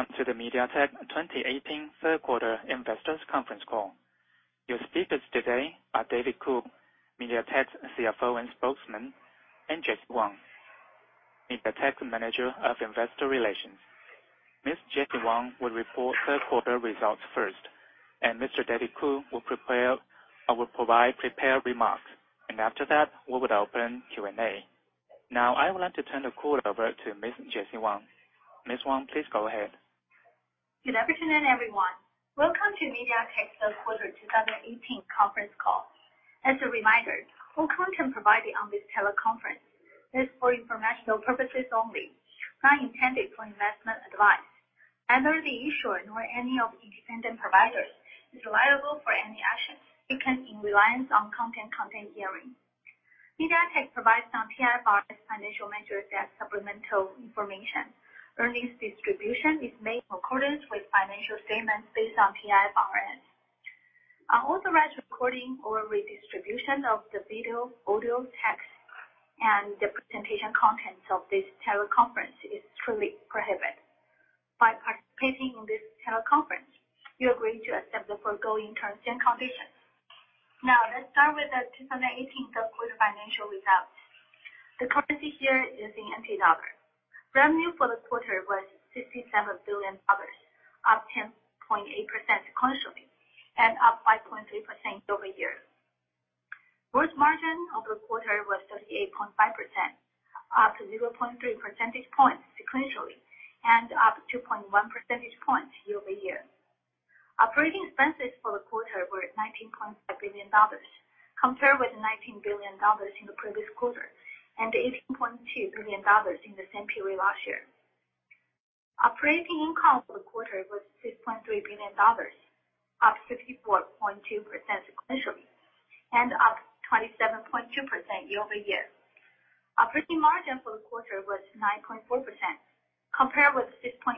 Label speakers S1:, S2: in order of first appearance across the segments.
S1: Welcome to the MediaTek 2018 third quarter investors conference call. Your speakers today are David Ku, MediaTek's CFO and spokesman, and Jessie Wang, MediaTek's Manager of Investor Relations. Ms. Jessie Wang will report third quarter results first, and Mr. David Ku will provide prepared remarks. After that, we will open Q&A. Now, I would like to turn the call over to Ms. Jessie Wang. Ms. Wang, please go ahead.
S2: Good afternoon, everyone. Welcome to MediaTek's third quarter 2018 conference call. As a reminder, all content provided on this teleconference is for informational purposes only, not intended for investment advice. Neither the issuer nor any of independent providers is liable for any action taken in reliance on content heard here. MediaTek provides non-GAAP financial measures as supplemental information. Earnings distribution is made in accordance with financial statements based on GAAP. Unauthorized recording or redistribution of the video, audio, text, and the presentation contents of this teleconference is truly prohibit. By participating in this teleconference, you agree to accept the foregoing terms and conditions. Now, let's start with the 2018 third quarter financial results. The currency here is in TWD. Revenue for the quarter was TWD 67 billion, up 10.8% sequentially, and up 5.3% year-over-year. Gross margin of the quarter was 38.5%, up 0.3 percentage points sequentially, and up 2.1 percentage points year-over-year. Operating expenses for the quarter were TWD 19.5 billion, compared with TWD 19 billion in the previous quarter, and TWD 18.2 billion in the same period last year. Operating income for the quarter was TWD 6.3 billion, up 54.2% sequentially, and up 27.2% year-over-year. Operating margin for the quarter was 9.4%, compared with 6.8%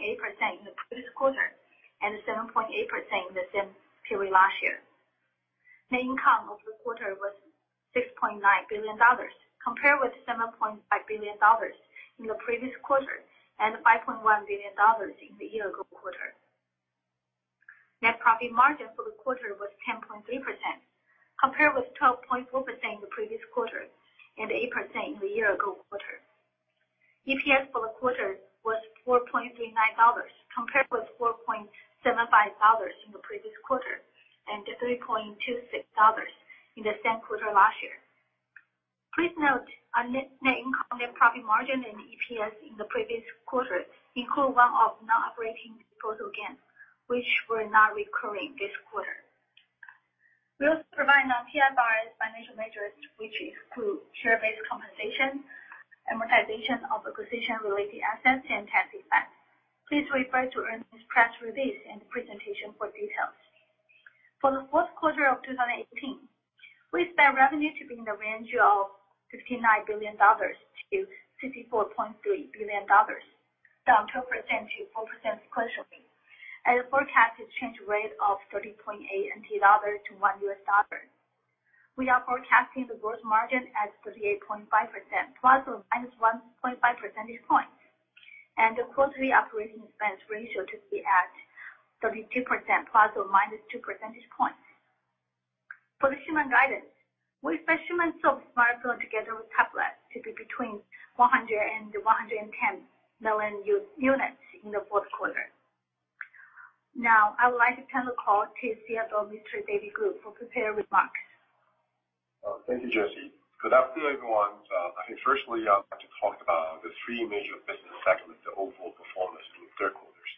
S2: in the previous quarter and 7.8% in the same period last year. Net income of the quarter was 6.9 billion dollars, compared with 7.5 billion dollars in the previous quarter and 5.1 billion dollars in the year-ago quarter. Net profit margin for the quarter was 10.3%, compared with 12.4% in the previous quarter and 8% in the year-ago quarter. EPS for the quarter was 4.39 dollars, compared with 4.75 dollars in the previous quarter and 3.26 dollars in the same quarter last year. Please note our net income, net profit margin, and EPS in the previous quarter include one-off non-operating disposal gains, which were not recurring this quarter. We also provide non-GAAP financial measures, which include share-based compensation, amortization of acquisition-related assets, and tax effects. Please refer to earnings press release and presentation for details. For the fourth quarter of 2018, we expect revenue to be in the range of 59 billion-64.3 billion dollars, down 12% to 4% sequentially, at a forecasted exchange rate of 30.8 NT dollars to one US dollar. We are forecasting the gross margin at 38.5%, ±1.5 percentage points, and the quarterly operating expense ratio to be at 32%, ±2 percentage points. For the shipment guidance, we expect shipments of smartphone together with tablet to be between 100 million and 110 million units in the fourth quarter. Now, I would like to turn the call to CFO, Mr. David Ku, for prepared remarks.
S3: Thank you, Jessie. Good afternoon, everyone. I think firstly, I want to talk about the three major business segments, the overall performance in the third quarters.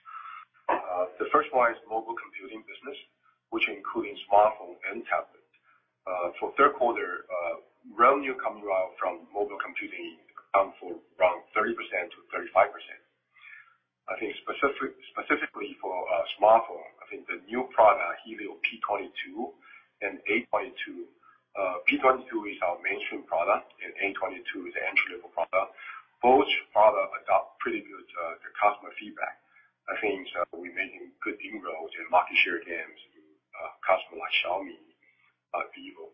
S3: The first one is mobile computing business, which includes smartphone and tablet. For third quarter, revenue coming from mobile computing account for around 30%-35%. I think specifically for smartphone, I think the new product, Helio P22 and A22. P22 is our mainstream product, and A22 is the entry-level product. Both products adopt pretty good customer feedback. I think we're making good inroads in market share gains with customers like Xiaomi and Vivo.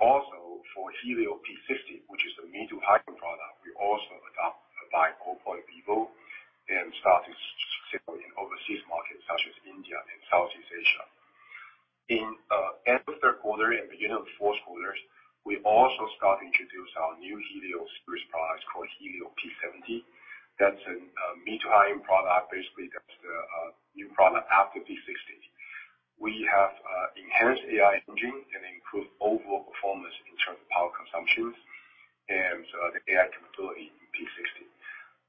S3: Also, for Helio P60, which is the mid-to-high-end product, we also adopt by OPPO and Vivo and start to sell in overseas markets such as India and Southeast Asia. In end of third quarter and beginning of fourth quarters, we also start introduce our new Helio series products called Helio P70. That's a mid-to-high-end product. Basically, that's the new product after P60. We have enhanced AI engine and improved overall performance in terms of power consumption and the AI capability in P60.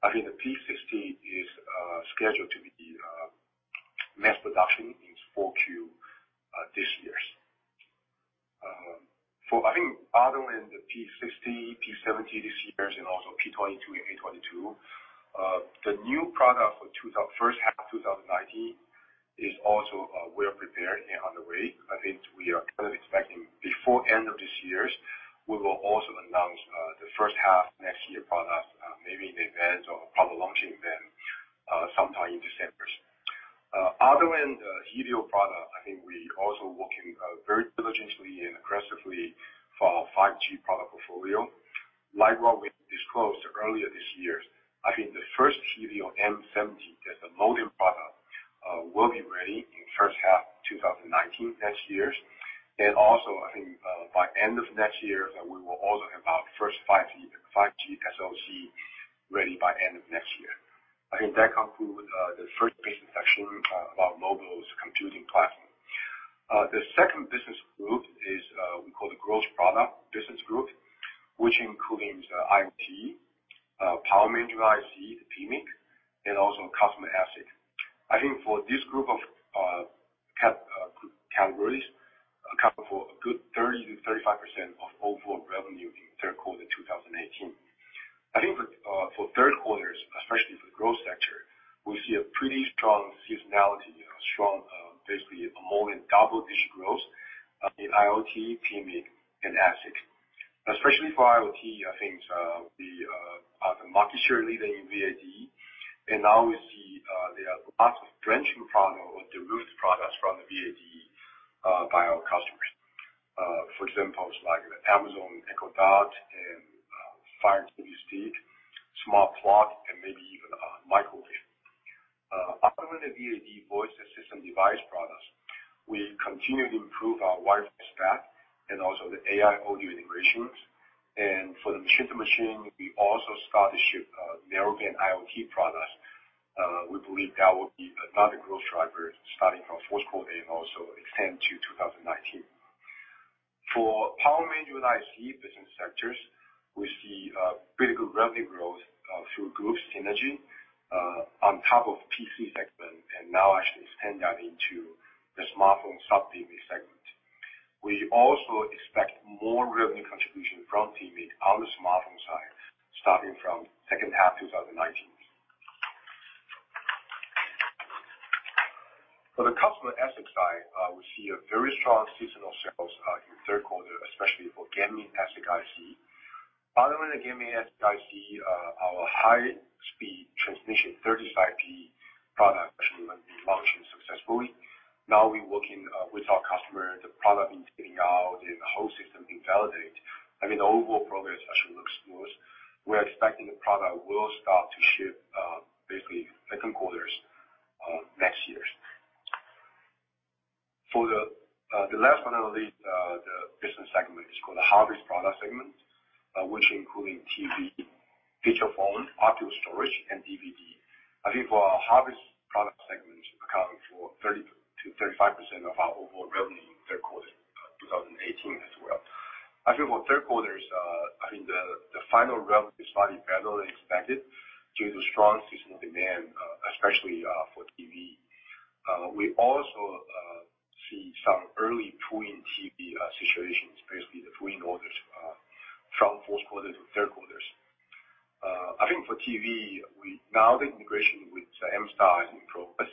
S3: I think the P60 is scheduled to be mass production in 4Q this year. I think other than the P60, P70 this year and also P22 and A22, the new product for first half 2019 is also well-prepared and on the way. I think we are currently expecting before end of this year, we will also announce the first half next year product, maybe in advance or probably launching them sometime in December. Other than the Helio product, I think we are also working very diligently and aggressively for our 5G product portfolio. Like what we disclosed earlier this year, I think the first Helio M70, that's a modem product, will be ready in the first half of 2019, next year. Also, I think by end of next year, we will also have our first 5G SoC ready. I think that concludes the first business section about mobile's computing platform. The second business group is what we call the growth product business group, which includes IoT, power management IC, PMIC, and also custom ASIC. I think for this group of categories, account for a good 30%-35% of overall revenue in third quarter 2018. I think for third quarters, especially for the growth sector, we see a pretty strong seasonality, strong basically a more than double-digit growth in IoT, PMIC, and ASIC. Especially for IoT, the market share leading VAD, now we see there are lots of trending products or derived products from the VAD by our customers. For example, like the Amazon Echo Dot and Fire TV Stick, smart plug, and maybe even a microwave. Other than the VAD voice assistant device products, we continue to improve our wireless stack and also the AI audio integrations. For the machine-to-machine, we also started to ship Narrowband IoT products. We believe that will be another growth driver starting from fourth quarter and also extend to 2019. For power management IC business sectors, we see pretty good revenue growth through group synergy on top of PC segment, and now actually extend that into the smartphone SoC segment. We also expect more revenue contribution from PMIC on the smartphone side starting from second half 2019. For the customer ASIC side, we see very strong seasonal sales in the third quarter, especially for gaming ASIC IC. Other than the gaming ASIC IC, our high-speed transmission SerDes IP product actually has been launched successfully. Now we're working with our customer, the product is getting out, and the whole system is validated. The overall progress actually looks smooth. We're expecting the product will start to ship basically second quarter next year. For the last one, the business segment is called the harvest product segment, which includes TV, feature phone, optical storage, and DVD. For our harvest product segment, accounting for 30%-35% of our overall revenue in third quarter 2018 as well. For third quarters, the final revenue is slightly better than expected due to strong seasonal demand, especially for TV. We also see some early pull-in TV situations, basically the pull-in orders from fourth quarter to third quarters. For TV, now the integration with MStar is in progress.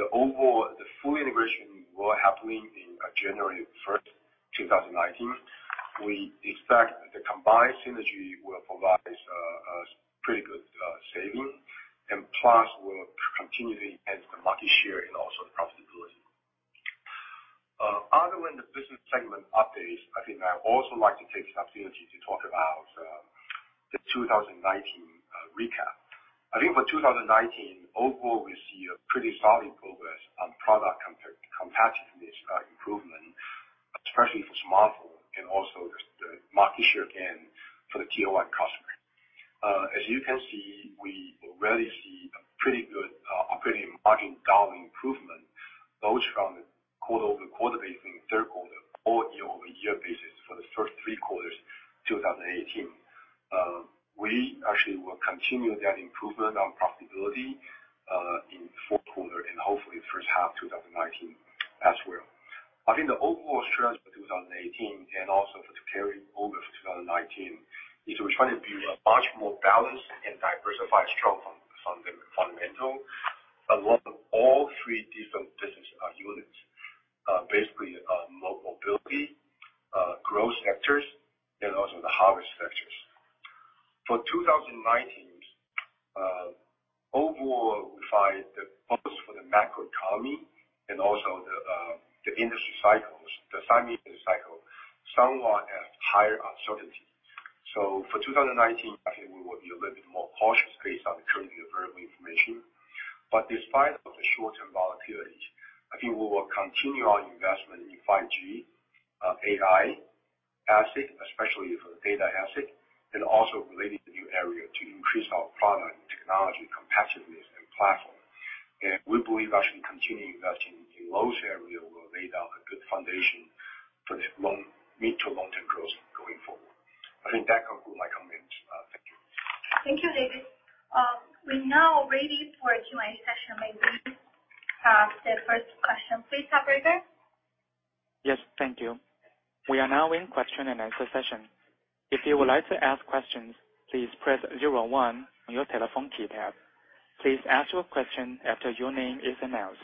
S3: The full integration will happen on January 1st, 2019. We expect the combined synergy will provide us pretty good saving, plus will continue to enhance the market share and also the profitability. Other than the business segment updates, I also like to take this opportunity to talk about the 2019 recap. For 2019, overall, we see a pretty solid progress on product competitiveness improvement, especially for smartphone and also the market share gain for the Tier 1 customer. As you can see, we already see a pretty good operating margin dollar improvement, both from the quarter-over-quarter basis in third quarter or year-over-year basis for the first three quarters 2018. We actually will continue that improvement on profitability in fourth quarter and hopefully first half 2019 as well. The overall strategy for 2018 and also to carry over to 2019, is we're trying to build a much more balanced and diversified strength fundamental among all three different business units. Basically, mobility, growth sectors, also the harvest sectors. For 2019, overall, we find the focus for the macroeconomy and also the industry cycles, the semi cycle, somewhat have higher uncertainty. For 2019, we will be a little bit more cautious based on the currently available information. Despite of the short-term volatilities, we will continue our investment in 5G, AI, ASIC, especially for data ASIC, and also related new areas to increase our product technology competitiveness and platform. We believe actually continuing investing in those areas will lay down a good foundation for the mid- to long-term growth going forward. I think that concludes my comments. Thank you.
S2: Thank you, David. We're now ready for Q&A session. May we have the first question, please, operator?
S1: Yes, thank you. We are now in question and answer session. If you would like to ask questions, please press 01 on your telephone keypad. Please ask your question after your name is announced.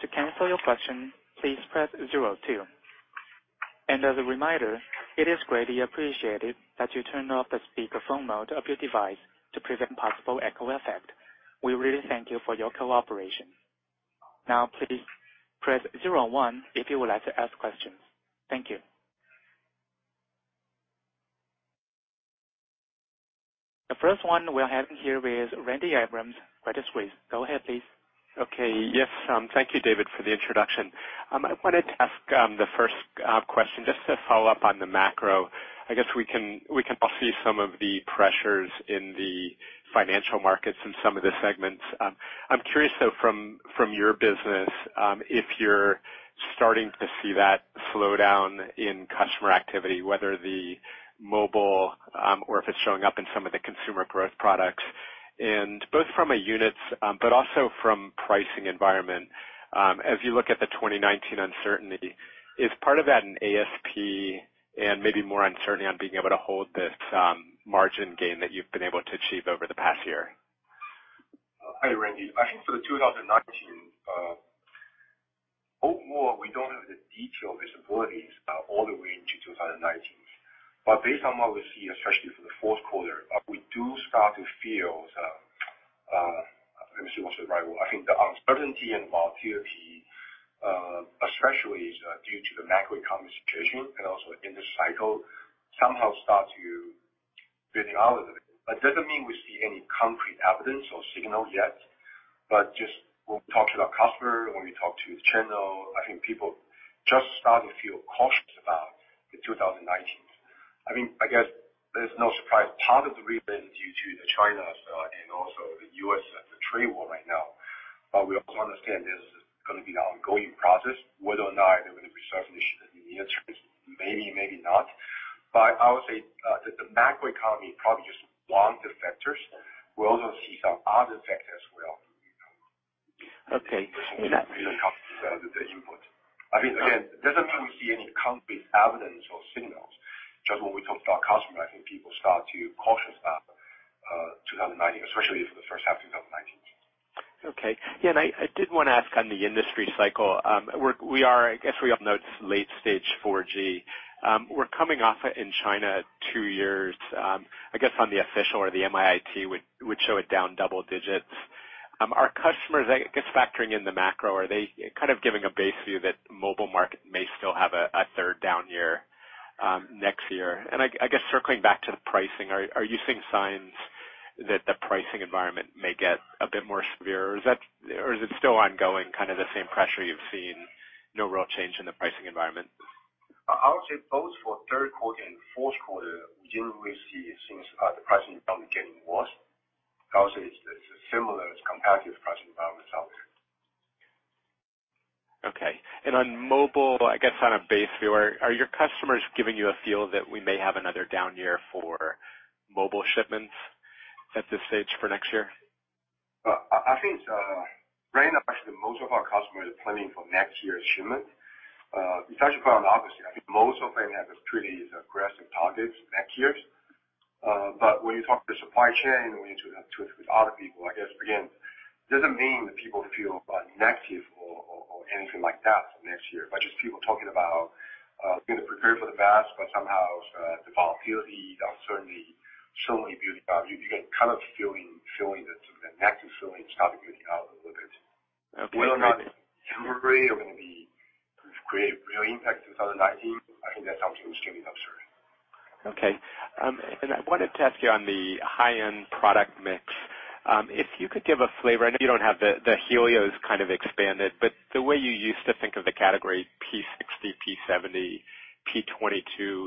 S1: To cancel your question, please press 02. As a reminder, it is greatly appreciated that you turn off the speakerphone mode of your device to prevent possible echo effect. We really thank you for your cooperation. Now, please press 01 if you would like to ask questions. Thank you. The first one we're having here is Randy Abrams, Credit Suisse. Go ahead, please.
S4: Okay. Yes, thank you, David, for the introduction. I wanted to ask the first question, just to follow up on the macro. I guess we can all see some of the pressures in the financial markets in some of the segments. I'm curious, though, from your business, if you're starting to see that slowdown in customer activity, whether the mobile, or if it's showing up in some of the consumer growth products. Both from a units, but also from pricing environment, as you look at the 2019 uncertainty, is part of that an ASP and maybe more uncertainty on being able to hold this margin gain that you've been able to achieve over the past year?
S3: Hi, Randy. I think for 2019, overall, we don't have the detail visibilities all the way into 2019. Based on what we see, especially for the fourth quarter, we do start to feel, let me see what's the right word. I think the uncertainty and volatility, especially due to the macroeconomic situation and also in this cycle, somehow starts to building out a little bit. That doesn't mean we see any concrete evidence or signal yet, but just when we talk to our customer, when we talk to the channel, I think people just start to feel cautious about the 2019. I guess there's no surprise. Part of the reason is due to China and also the U.S., the trade war right now. We also understand this is going to be an ongoing process, whether or not there will be resolution in the near term. Maybe, maybe not. I would say that the macroeconomy probably just one of the factors. We also see some other factors as well.
S4: Okay.
S3: the input. Again, it doesn't mean we see any concrete evidence or signals. Just when we talk to our customer, I think people start to cautious about 2019, especially for the first half of 2019.
S4: Okay. I did want to ask on the industry cycle. I guess we all know it's late stage 4G. We're coming off it in China two years, I guess, on the official or the MIIT, which show it down double digits. Are customers, I guess, factoring in the macro? Are they giving a base view that mobile market may still have a third down year next year? I guess circling back to the pricing, are you seeing signs that the pricing environment may get a bit more severe, or is it still ongoing, the same pressure you've seen, no real change in the pricing environment?
S3: I would say both for third quarter and fourth quarter, generally, we see things, the pricing don't getting worse. I would say it's similar. It's competitive pricing environment out there.
S4: On mobile, I guess on a base view, are your customers giving you a feel that we may have another down year for mobile shipments at this stage for next year?
S3: I think right now, actually, most of our customers are planning for next year's shipment. In fact, quite on the opposite. I think most of them have a pretty aggressive targets next year. When you talk to supply chain, when you talk with other people, I guess, again, it doesn't mean that people feel negative or anything like that for next year, but just people talking about going to prepare for the best, but somehow the volatility, the uncertainty showing up. You get feeling that some of the negative feeling start building out a little bit.
S4: Okay.
S3: We are not worried it will create real impact 2019. I think that's extremely absurd.
S4: I wanted to ask you on the high-end product mix, if you could give a flavor. I know you don't have the Helio expanded, but the way you used to think of the category P60, P70, P22,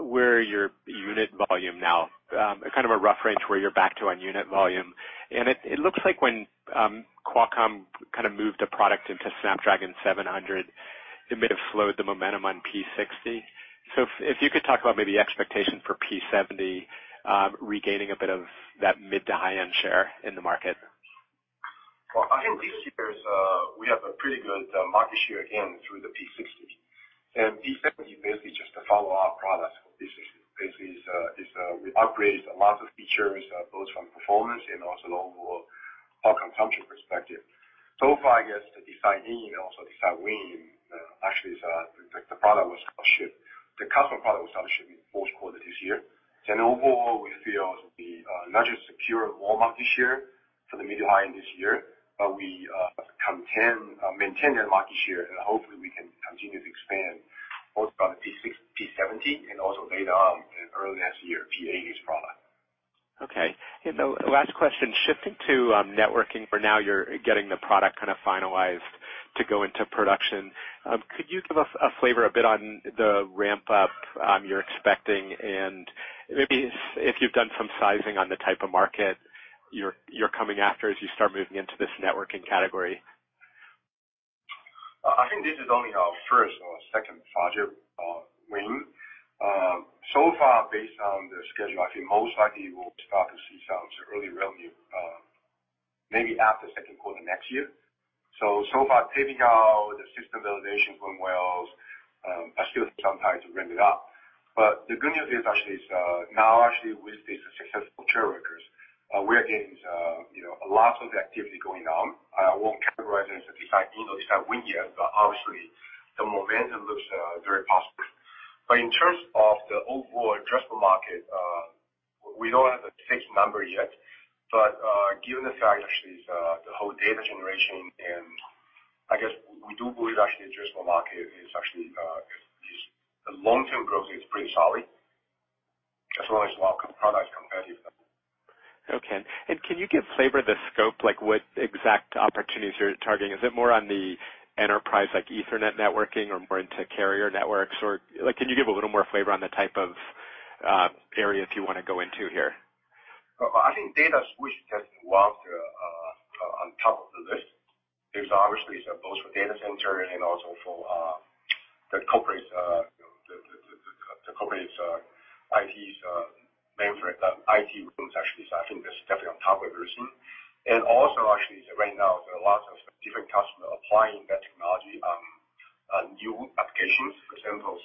S4: where are your unit volume now? A rough range where you're back to on unit volume. It looks like when Qualcomm moved a product into Snapdragon 700, it may have slowed the momentum on P60. If you could talk about maybe expectations for P70 regaining a bit of that mid to high-end share in the market.
S3: I think this year we have a pretty good market share again through the P60. P70 basically just a follow-up product for P60. Basically, we upgraded a lot of features, both from performance and also the overall power consumption perspective. So far, I guess the design win, actually, the customer product will start shipping fourth quarter this year. Overall, we feel we not just secure more market share for the mid to high-end this year, but we maintain that market share, and hopefully, we can continue to expand both product P70 and also later on in early next year, P80's product.
S4: The last question, shifting to networking, for now, you're getting the product finalized to go into production. Could you give us a flavor a bit on the ramp-up you're expecting and maybe if you've done some sizing on the type of market you're coming after as you start moving into this networking category?
S3: I think this is only our first or second project win. Far, based on the schedule, I think most likely we'll start to see some early revenue, maybe after second quarter next year. So far, taking out the system validation going well, I still need some time to ramp it up. The good news is now, actually, with this successful trial record, we are getting a lot of activity going on. I won't categorize it as a design win yet, but obviously, the momentum looks very possible. In terms of the overall addressable market, we don't have the exact number yet. Given the fact, actually, the whole data generation, and I guess we do believe actually, addressable market is actually, the long-term growth is pretty solid, as long as our product is competitive.
S4: Okay. Can you give flavor the scope, like what exact opportunities you're targeting? Is it more on the enterprise, like Ethernet networking or more into carrier networks? Can you give a little more flavor on the type of areas you want to go into here?
S3: I think data switch is definitely on top of the list. It's obviously both for data center and also for the corporate's IT rooms, actually. I think that's definitely on top of the list. Also actually right now, there are lots of different customers applying that technology on new applications. For example,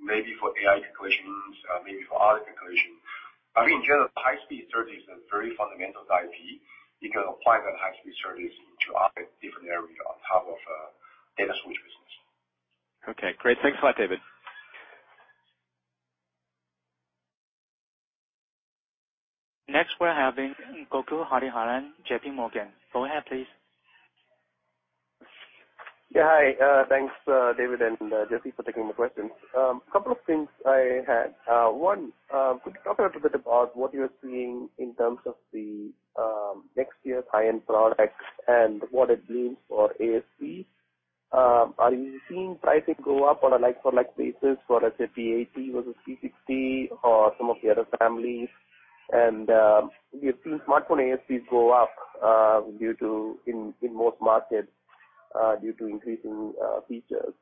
S3: maybe for AI calculations, maybe for other calculations. I think in terms of high-speed SerDes and very fundamentals IP, you can apply that high-speed SerDes into other different areas on top of data switch business.
S4: Okay, great. Thanks a lot, David.
S1: Next, we're having Gokul Hariharan, J.P. Morgan. Go ahead, please.
S5: Hi. Thanks, David and Jessie for taking the questions. Couple of things I had. One, could you talk a little bit about what you're seeing in terms of the next year's high-end products and what it means for ASP? Are you seeing pricing go up on a like-for-like basis for, let's say, P80 versus P60 or some of the other families? We have seen smartphone ASPs go up in most markets due to increasing features.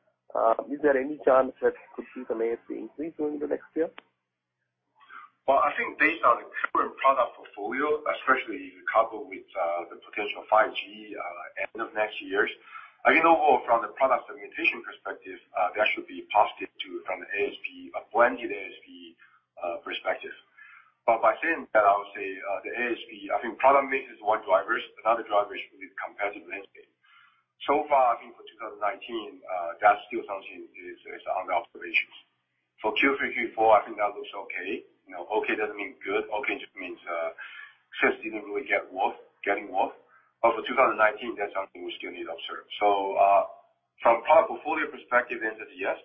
S5: Is there any chance that could see some ASP increase during the next year?
S3: Well, I think based on the current product portfolio, especially if you couple with the potential 5G end of next year, I think overall from the product segmentation perspective, that should be positive from the ASP, a blended ASP perspective. By saying that, I would say, the ASP, I think product mix is one driver. Another driver should be competitive landscape. So far, I think for 2019, that's still something is under observations. For Q3, Q4, I think that looks okay. Okay doesn't mean good. Okay just means sales didn't really getting worse. For 2019, that's something we still need to observe. From product portfolio perspective, the answer is yes.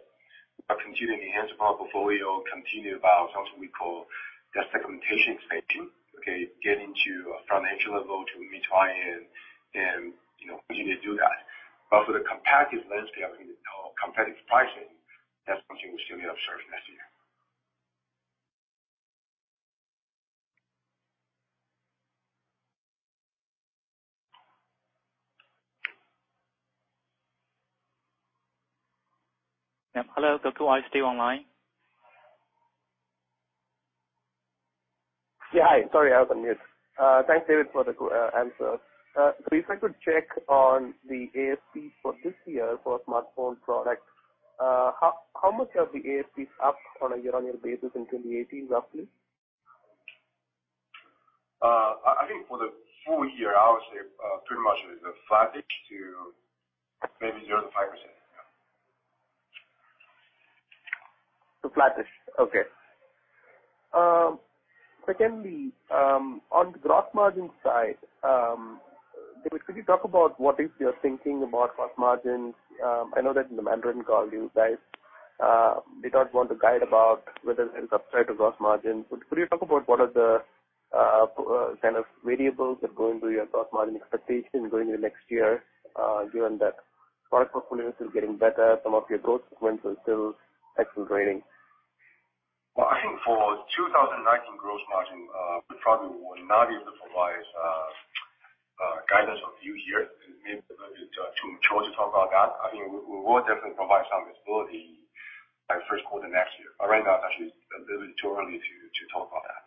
S3: We are continuing to enhance our portfolio, continue about something we call the segmentation expansion. Okay. Get into financial level to mid high-end, and continue to do that. For the competitive landscape, I mean, competitive pricing, that's something we still need to observe next year.
S1: Hello, Gokul, are you still online?
S5: Yeah. Hi, sorry, I was on mute. Thanks, David, for the answer. If I could check on the ASP for this year for smartphone products, how much are the ASPs up on a year-on-year basis in 2018, roughly?
S3: I think for the full year, I would say pretty much it is flattish to maybe 0%-5%. Yeah.
S5: Flattish. Okay. Secondly, on the gross margin side, David, could you talk about what is your thinking about gross margins? I know that in the Mandarin call, you guys did not want to guide about whether it'll upside to gross margin. Could you talk about what are the kind of variables that go into your gross margin expectation going into next year, given that product portfolio is still getting better, some of your growth segments are still accelerating?
S3: Well, I think for 2019 gross margin, we probably will not be able to provide guidance on Q here. It may be too soon to talk about that. I think we will definitely provide some visibility by first quarter next year. Right now, it's actually a little too early to talk about that.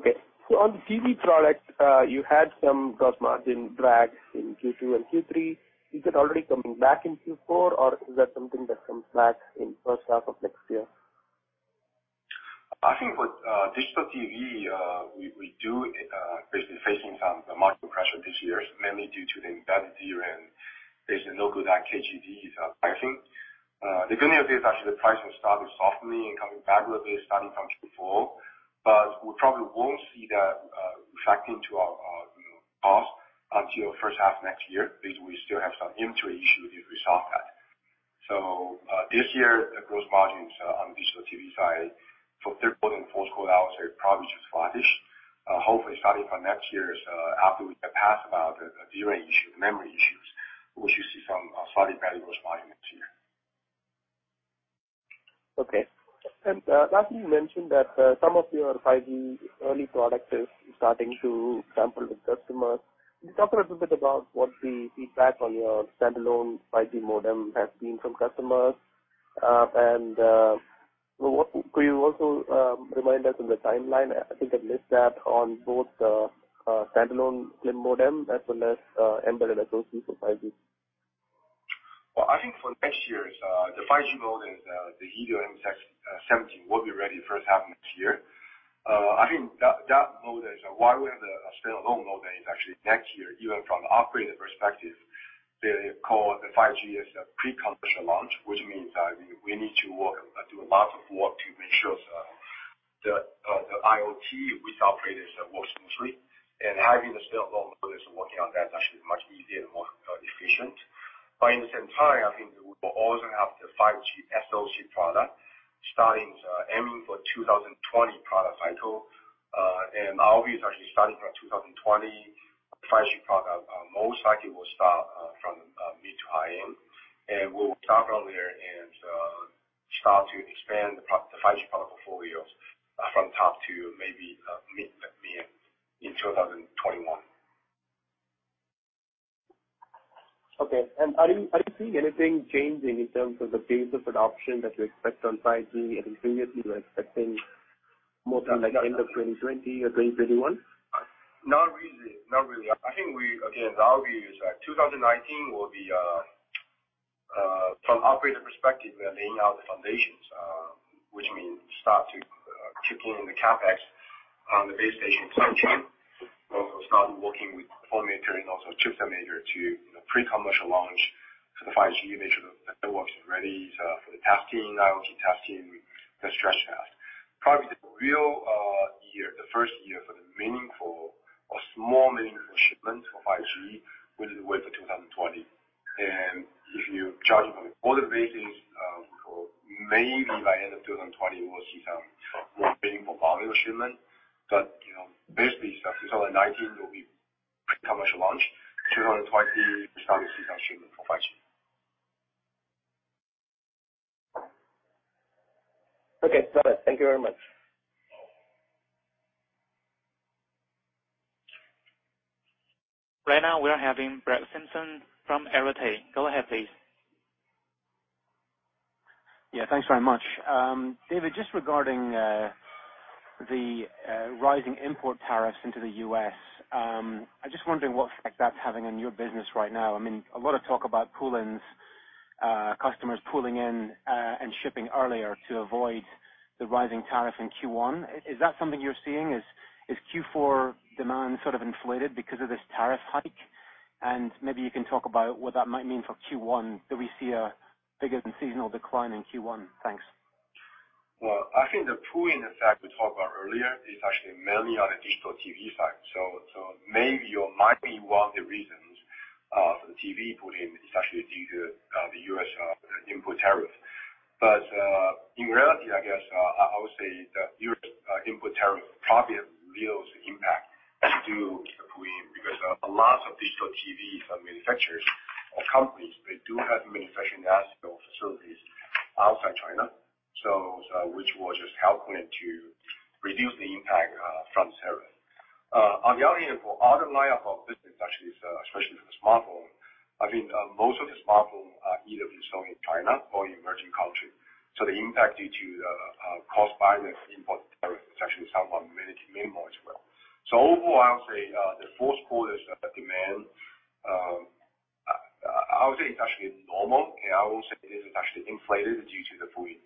S5: Okay. On the TV product, you had some gross margin drags in Q2 and Q3. Is it already coming back in Q4, or is that something that comes back in first half of next year?
S3: I think with digital TV, we do basically facing some market pressure this year. It's mainly due to the embedded DRAM. There's no good KGD, I think. The good news is actually the price has started softening and coming back a little bit, starting from Q4, but we probably won't see that reflecting to our cost until first half next year because we still have some inventory issue we need to resolve that. This year, the gross margins on the digital TV side for third quarter and fourth quarter, I would say probably just flattish. Hopefully starting from next year, after we get past about the DRAM issue, memory issues, we should see some slightly better gross margin next year.
S5: Okay. Lastly, you mentioned that some of your 5G early products is starting to sample with customers. Can you talk a little bit about what the feedback on your standalone 5G modem has been from customers? Could you also remind us on the timeline? I think I missed that on both standalone modem as well as embedded SoC for 5G.
S3: Well, I think for next year, the 5G modem, the Helio M70 will be ready first half next year. I think that modem, why we have the standalone modem, is actually next year, even from the operating perspective, they call the 5G as a pre-commercial launch, which means that we need to do a lot of work to ensure the IOT with operators works smoothly. Having the standalone mode is working on that is actually much easier and more efficient. In the same time, I think we will also have the 5G SoC product starting aiming for 2020 product cycle. Obviously, actually starting from 2020, 5G product most likely will start from mid to high end, and we'll start from there and start to expand the 5G product portfolios from top to maybe mid band in 2021.
S5: Okay. Are you seeing anything changing in terms of the pace of adoption that you expect on 5G? I think previously you were expecting more like end of 2020 or 2021?
S3: Not really. I think we, again, the idea is that 2019 will be, from operator perspective, we are laying out the foundations. Which means start to kick in the CapEx on the base station side chain. We'll also start working with phone maker and also chip maker to pre-commercial launch for the 5G, make sure the network is ready for the testing, IoT testing, the stress test. Probably the real year, the first year for the meaningful or small meaningful shipments for 5G, will be the way for 2020. If you judge it on an order basis, maybe by end of 2020, we'll see some more meaningful volume shipment. Basically, 2019 will be pre-commercial launch. 2020, we start to see some shipment for 5G.
S5: Okay, got it. Thank you very much.
S1: Right now we are having Brett Simpson from Arete. Go ahead please.
S6: Yeah, thanks very much. David, just regarding the rising import tariffs into the U.S. I'm just wondering what effect that's having on your business right now. A lot of talk about pull-ins, customers pulling in and shipping earlier to avoid the rising tariff in Q1. Is that something you're seeing? Is Q4 demand sort of inflated because of this tariff hike? Maybe you can talk about what that might mean for Q1. Do we see a bigger than seasonal decline in Q1? Thanks.
S3: Well, I think the pull-in effect we talked about earlier is actually mainly on the digital TV side. Maybe, or might be one of the reasons, for the TV pull-in is actually due to the U.S. import tariff. In reality, I guess, I would say the U.S. import tariff probably has little impact to the pull-in because lots of digital TV manufacturers or companies, they do have manufacturing facilities outside China, which will just help them to reduce the impact from tariffs. On the other hand, for other line of our business actually, especially for the smartphone, I think most of the smartphone are either being sold in China or in emerging countries. The impact due to the cost by the import tariff is actually somewhat minimal as well. Overall, I would say, the fourth quarter's demand, I would say it's actually normal. I wouldn't say it is actually inflated due to the pull-in.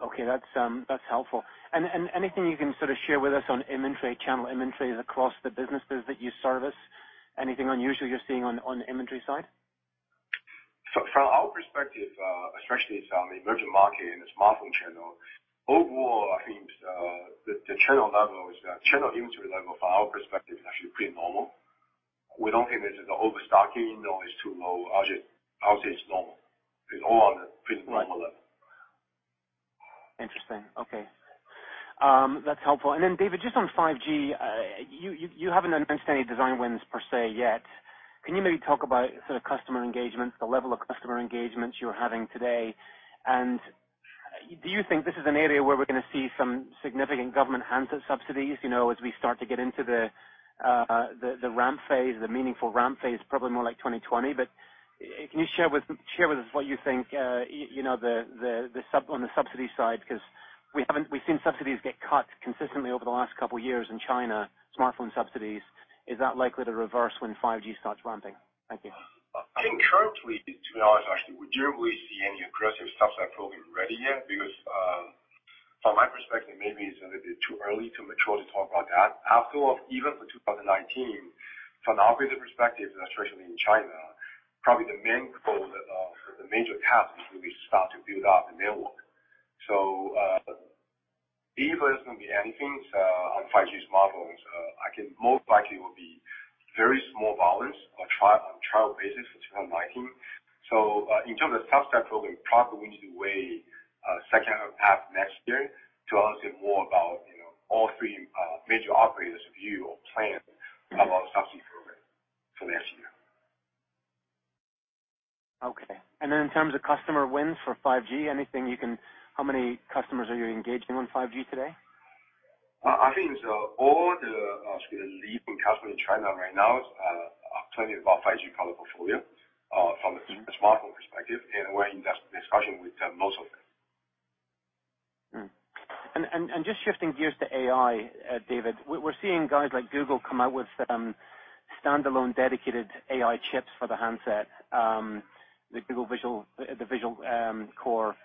S6: Okay, that's helpful. Anything you can sort of share with us on inventory, channel inventories across the businesses that you service? Anything unusual you're seeing on the inventory side?
S3: From our perspective, especially some emerging market in the smartphone channel, overall, I think the channel inventory level from our perspective is actually pretty normal. We don't think there's an overstocking, nor is too low. I would say it's normal. It's all on a pretty normal level.
S6: Interesting. Okay. That's helpful. David, just on 5G. You haven't announced any design wins per se yet. Can you maybe talk about sort of customer engagements, the level of customer engagements you're having today? Do you think this is an area where we're going to see some significant government handset subsidies, as we start to get into the ramp phase, the meaningful ramp phase, probably more like 2020. Can you share with us what you think on the subsidy side, because we've seen subsidies get cut consistently over the last couple of years in China, smartphone subsidies. Is that likely to reverse when 5G starts ramping? Thank you.
S3: I think currently, to be honest, actually, we don't really see any aggressive subsidy program ready yet because, from my perspective, maybe it's a little bit too early, too mature to talk about that. After all, even for 2019, from the operating perspective, especially in China, probably the main goal or the major task will be start to build out the network. Even if there's going to be anything on 5G smartphones, I think most likely will be very small volumes on trial basis for China Mobile. In terms of the subsidy program, probably we need to wait second half next year to understand more about all three major operators view or plan about subsidy program for next year.
S6: Okay. In terms of customer wins for 5G, how many customers are you engaging on 5G today?
S3: I think all the leading customer in China right now are planning about 5G product portfolio from the smartphone perspective, and we're in discussion with most of them
S6: Just shifting gears to AI, David, we're seeing guys like Google come out with some standalone dedicated AI chips for the handset, the Google Visual, the Visual Core.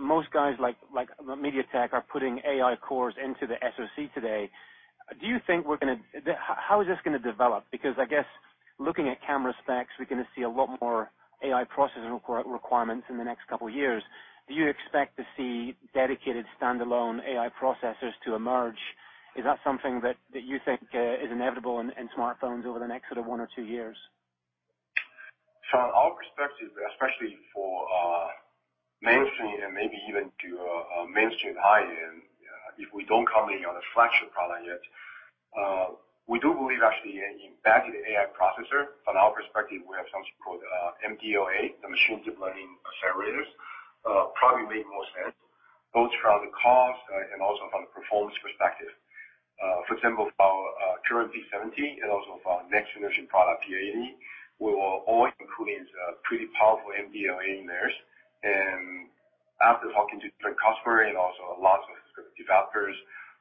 S6: Most guys like MediaTek are putting AI cores into the SoC today. How is this going to develop? Because I guess looking at camera specs, we're going to see a lot more AI processing requirements in the next couple of years. Do you expect to see dedicated standalone AI processors to emerge? Is that something that you think is inevitable in smartphones over the next one or two years?
S3: From our perspective, especially for mainstream and maybe even to mainstream high-end, if we don't come in on a flagship product yet, we do believe actually embedding the AI processor. From our perspective, we have something called MDLA, the machine deep learning accelerators, probably make more sense, both from the cost and also from the performance perspective. For example, for our current P70 and also for our next generation product, P80, we will all include pretty powerful MDLA in theirs. After talking to different customer and also a lot of developers,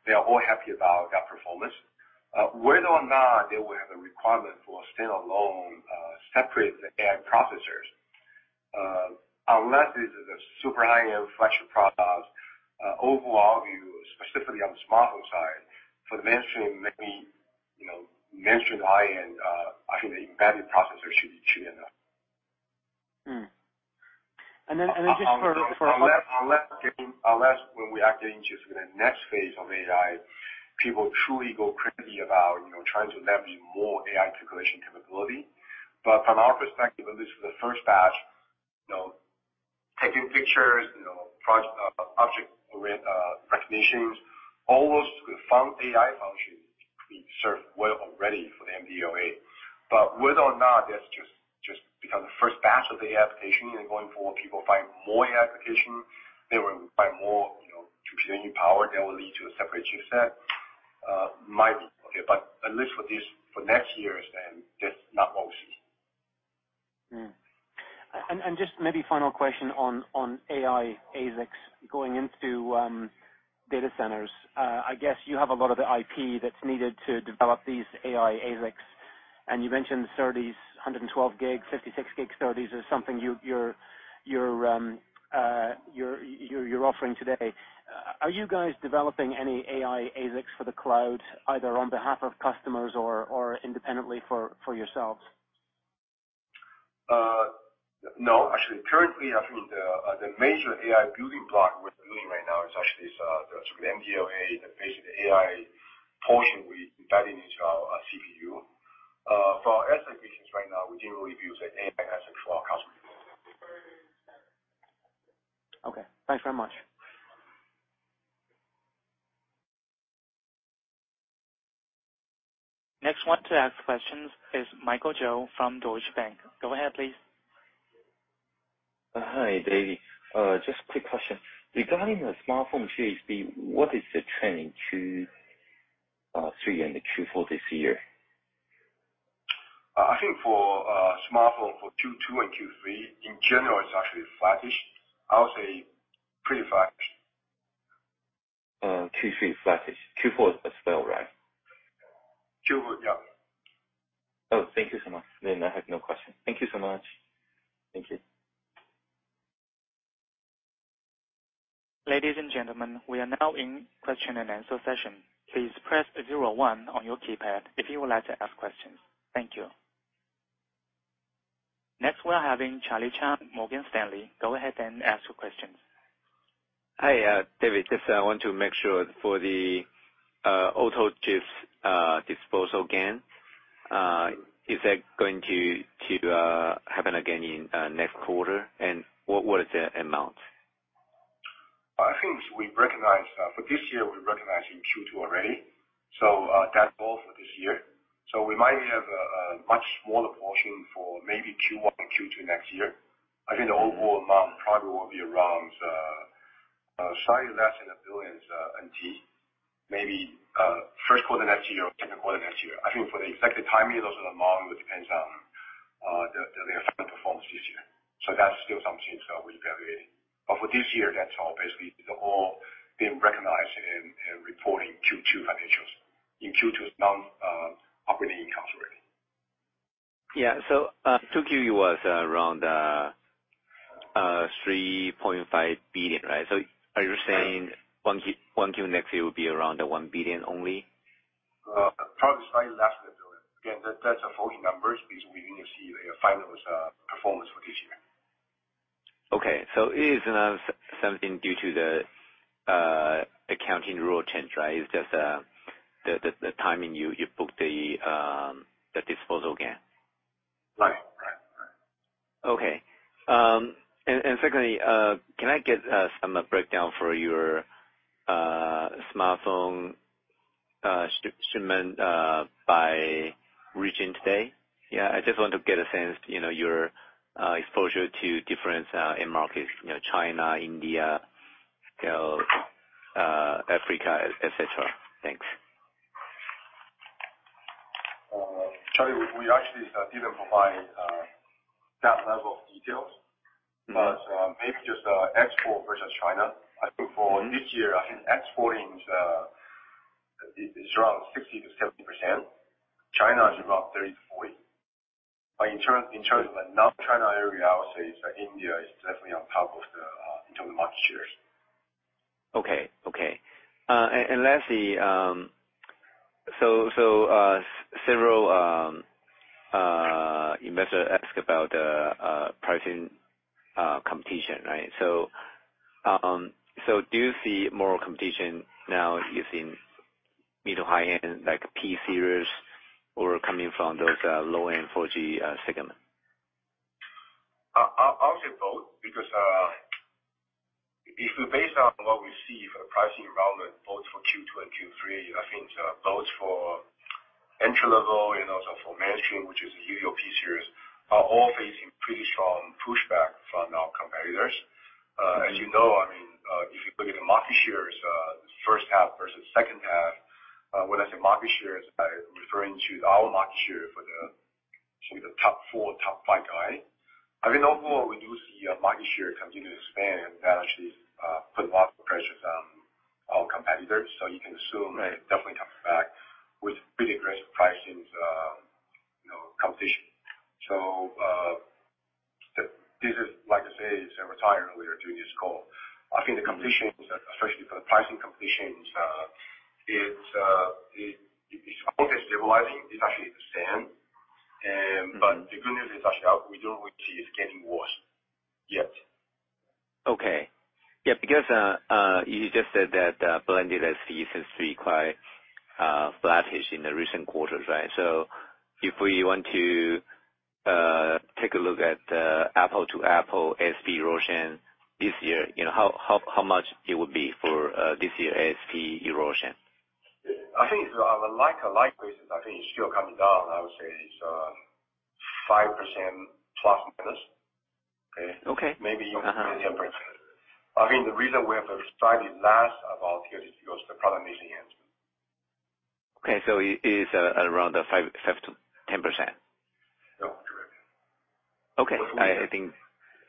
S3: they are all happy about that performance. Whether or not they will have the requirement for a standalone, separate AI processors, unless these are the super high-end flagship products. Overall view, specifically on the smartphone side for the mainstream, maybe mainstream high-end, I think the embedded processor should be cheap enough.
S6: And then just for-
S3: Unless when we are getting into the next phase of AI, people truly go crazy about trying to leverage more AI calculation capability. From our perspective, at least for the first batch, taking pictures, object recognition, all those front AI functions can be served well already for the MDLA. Whether or not that's just become the first batch of the AI application and then going forward, people find more AI application, they will find more computing power that will lead to a separate chipset, might be. At least for next year then, that's not what we see.
S6: Just maybe final question on AI ASICs going into data centers. I guess you have a lot of the IP that's needed to develop these AI ASICs, you mentioned SerDes, 112 gigs, 56 gig SerDes is something you're offering today. Are you guys developing any AI ASICs for the cloud, either on behalf of customers or independently for yourselves?
S3: No. Actually, currently, I think the major AI building block we're doing right now is actually the MDLA, the basic AI portion we embedded into our CPU. For our ASIC business right now, we didn't release an AI ASIC for our customer.
S6: Okay. Thanks very much.
S1: Next one to ask questions is Michael Joe from Deutsche Bank. Go ahead, please.
S7: Hi, David. Just quick question. Regarding the smartphone GP, what is the trending Q3 and the Q4 this year?
S3: I think for smartphone for Q2 and Q3, in general, it's actually flattish. I would say pretty flattish.
S7: Q3 flattish. Q4 is as well, right?
S3: Q4, yeah.
S7: Oh, thank you so much. I have no question. Thank you so much. Thank you.
S1: Ladies and gentlemen, we are now in question and answer session. Please press zero one on your keypad if you would like to ask questions. Thank you. We are having Charlie Chan, Morgan Stanley. Go ahead and ask your questions.
S8: Hi, David. Just I want to make sure for the auto chips disposal gain, is that going to happen again in next quarter? What is the amount?
S3: I think for this year, we recognize in Q2 already. That's all for this year. We might have a much smaller portion for maybe Q1 and Q2 next year. I think the overall amount probably will be around slightly less than 1 billion NT, maybe first quarter next year or second quarter next year. I think for the exact timing of those amount, it depends on their final performance this year. That's still something we're evaluating. For this year, that's all basically. They've all been recognized in reporting Q2 financials, in Q2 non-operating income already.
S8: Yeah. 2Q it was around 3.5 billion, right? Are you saying 1Q next year will be around 1 billion only?
S3: Probably slightly less than TWD 1 billion. Again, that's a forward number. Basically, we need to see their final performance for this year.
S8: Okay. It is not something due to the accounting rule change, right? It's just the timing you book the disposal gain.
S3: Right.
S8: Okay. Secondly, can I get some breakdown for your smartphone shipment by region today? Yeah, I just want to get a sense, your exposure to different end markets, China, India, Africa, et cetera. Thanks.
S3: Charlie, we actually didn't provide that level of details. Maybe just export versus China. I think for this year, exporting is around 60%-70%. China is about 30%-40%. In terms of non-China area, I would say India is definitely on top of the internal market shares.
S8: Okay. Lastly, several investors ask about the pricing competition. Do you see more competition now using middle high-end, like P series, or coming from those low-end 4G segment?
S3: I would say both, because if we based on what we see for the pricing environment, both for Q2 and Q3, I think both for entry-level and also for mainstream, which is usually P series, are all facing pretty strong pushback from our competitors. As you know, if you look at the market shares, first half versus second half. When I say market shares, I am referring to our market share for the top four, top five guy. Overall, we do see our market share continue to expand. That actually put a lot of pressures on our competitors. You can assume it definitely comes back with pretty aggressive pricing competition. This is, like I said, as I reiterated earlier during this call. I think the competition, especially for the pricing competition, it's only stabilizing. It actually stand. The good news is actually, we don't really see it getting worse, yet.
S8: Okay. You just said that blended ASP seems to be quite flattish in the recent quarters, right? If we want to take a look at apple-to-apple ASP erosion this year, how much it would be for this year ASP erosion?
S3: I think it's on a like basis. I think it's still coming down. I would say it's 5% plus, minus.
S8: Okay.
S3: Maybe even 10%. The reason we have a slightly less of our [inaudible] goes to the product niche enhancement.
S8: Okay, it is around 5% to 10%.
S3: Yeah, correct.
S8: Okay. I think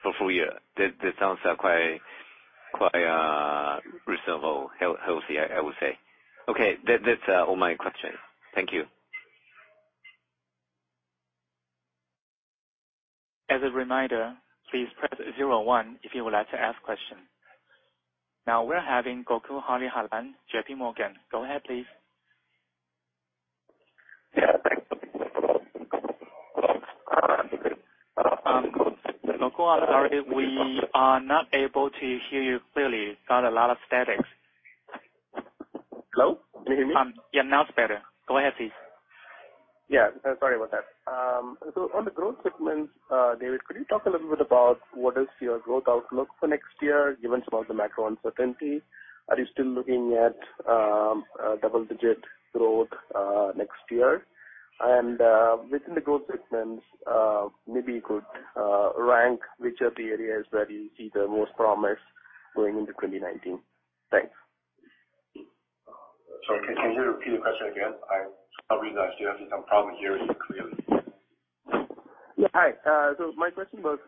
S8: for full year. That sounds quite reasonable, healthy, I would say. Okay. That's all my questions. Thank you.
S1: As a reminder, please press 01 if you would like to ask question. Now we're having Gokul Hariharan, J.P. Morgan. Go ahead, please.
S5: Yeah, thanks.
S1: Gokul, I'm sorry, we are not able to hear you clearly. Got a lot of statics.
S5: Hello? Can you hear me?
S1: Yeah, now it's better. Go ahead, please.
S5: Sorry about that. On the growth segments, David, could you talk a little bit about what is your growth outlook for next year, given some of the macro uncertainty? Are you still looking at double-digit growth next year? Within the growth segments, maybe you could rank which are the areas where you see the most promise going into 2019. Thanks.
S3: Sorry. Can you repeat the question again? I'm probably not sure. I'm having some problem hearing you clearly.
S5: Yeah. Hi. My question was,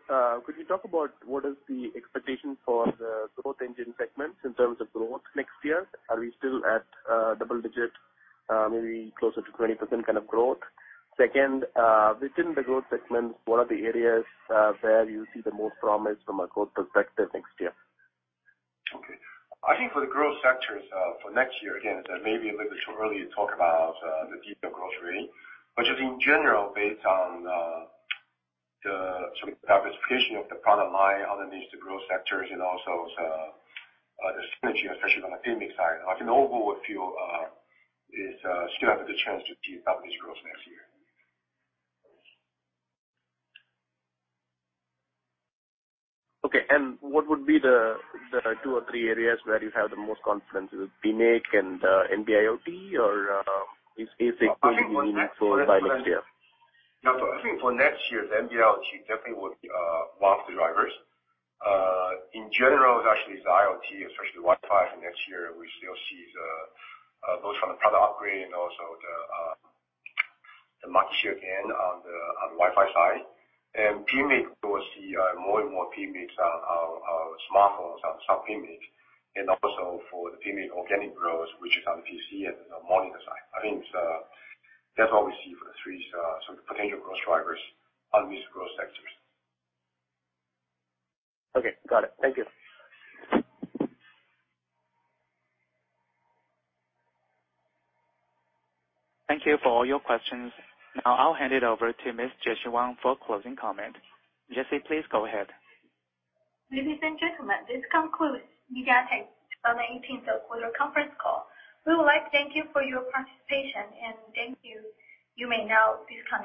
S5: could you talk about what is the expectation for the growth engine segments in terms of growth next year? Are we still at double-digit, maybe closer to 20% kind of growth? Second, within the growth segment, what are the areas where you see the most promise from a growth perspective next year?
S3: Okay. I think for the growth sectors for next year, again, it may be a little bit too early to talk about the detailed growth rate, but just in general, based on the sort of diversification of the product line underneath the growth sectors and also the strategy, especially from the PMIC side. Overall feel is still have the chance to keep up this growth next year.
S5: Okay. What would be the two or three areas where you have the most confidence? Is it PMIC and NB-IoT, or is it going to be mixed for by next year?
S3: No, I think for next year, the NB-IoT definitely would be one of the drivers. In general, it's actually the IoT, especially Wi-Fi for next year. We still see both from the product upgrade and also the market share gain on the Wi-Fi side. PMIC, we'll see more and more PMICs on our smartphones, on some PMIC, and also for the PMIC organic growth, which is on the PC and the monitor side. I think that's what we see for the potential growth drivers on these growth sectors.
S5: Okay. Got it. Thank you.
S1: Thank you for all your questions. Now I'll hand it over to Ms. Jessie Wang for closing comment. Jessie, please go ahead.
S2: Ladies and gentlemen, this concludes MediaTek's 2018 third quarter conference call. We would like to thank you for your participation, and thank you. You may now disconnect.